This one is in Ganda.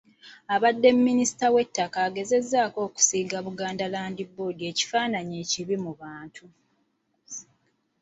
Abadde Minisita w'ettaka yagezaako okusiiga Buganda Land Board ekifaananyi ekibi mu bantu.